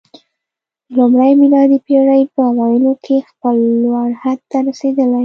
د لومړۍ میلادي پېړۍ په اوایلو کې خپل لوړ حد ته رسېدلی